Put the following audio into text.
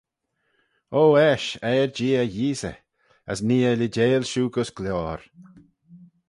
O eisht eiyr-jee er Yeesey—as nee eh leeideil shiu gys gloyr.